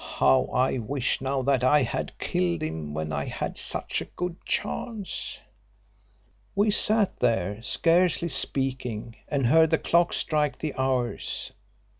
How I wish now that I had killed him when I had such a good chance. "We sat there scarcely speaking, and heard the clock strike the hours.